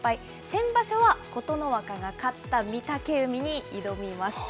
先場所は琴ノ若が勝った御嶽海に挑みます。